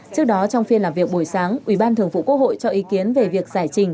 trước đó trong phiên làm việc buổi sáng ủy ban thường vụ quốc hội cho ý kiến về việc giải trình